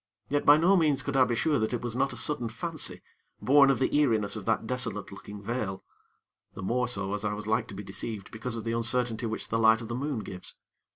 Yet by no means could I be sure that it was not a sudden fancy, born of the eeriness of that desolate looking vale; the more so as I was like to be deceived because of the uncertainty which the light of the moon gives.